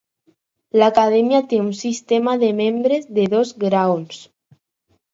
L'Acadèmia té un sistema de membres de dos graons.